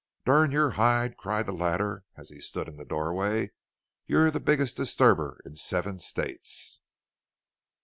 "Durn your hide!" cried the latter as he stood in the doorway; "you're the biggest disturber in seven states!"